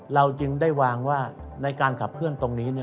เราจึงได้วางว่าในการขับเคลื่อนตรงนี้